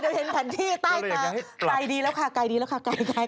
เดี๋ยวเห็นแผ่นที่ใต้ตาใกล้ดีแล้วค่ะ